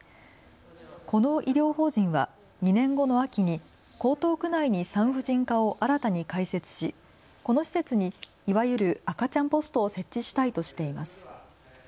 この医療法人は２年後の秋に江東区内に産婦人科を新たに開設し、この施設にいわゆる赤ちゃんポストを設置したいとしています。